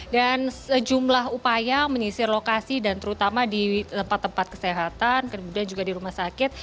dan sejumlah upaya menyisir lokasi dan terutama di tempat tempat kesehatan kemudian juga di rumah sakit